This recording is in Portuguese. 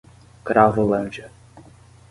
Cravolândia